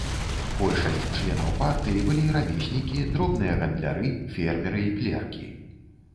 Большасць членаў партыі былі рамеснікі, дробныя гандляры, фермеры і клеркі.